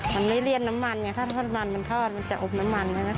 มันไม่เลี่ยนน้ำมันถ้าทอดมันมันจะอบน้ำมัน